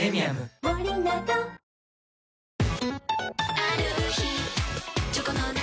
ある日チョコの中